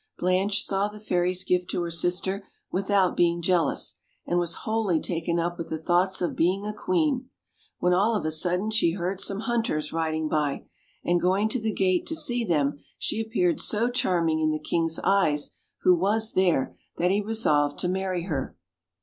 Blanche saw the fairy's gift to her sister without being jealous, and was wholly taken up with the thoughts of being a queen; when all of a sudden she heard some hunters riding by, and going to the gate to see them, she ap peared so charming in the king's eyes, who was there, that he resolved to marry her.